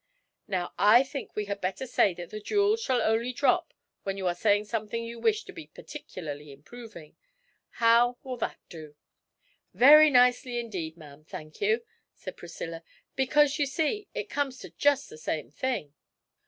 No, I think we had better say that the jewels shall only drop when you are saying something you wish to be particularly improving how will that do?' 'Very nicely indeed, ma'am, thank you,' said Priscilla, 'because, you see, it comes to just the same thing.'